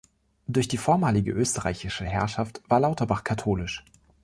Durch die vormalige österreichische Herrschaft war Lauterbach katholisch.